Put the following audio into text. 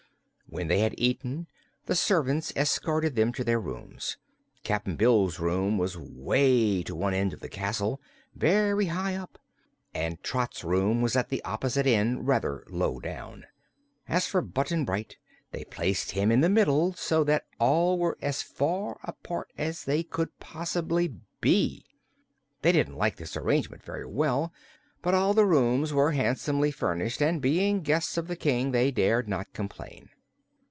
When they had eaten, the servants escorted them to their rooms. Cap'n Bill's room was way to one end of the castle, very high up, and Trot's room was at the opposite end, rather low down. As for Button Bright, they placed him in the middle, so that all were as far apart as they could possibly be. They didn't like this arrangement very well, but all the rooms were handsomely furnished and being guests of the King they dared not complain.